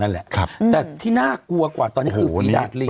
แต่ที่น่ากลวกกว่าตอนนี้คือฝีดายลิง